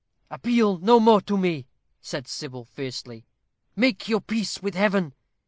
"Appeal no more to me," said Sybil, fiercely. "Make your peace with Heaven.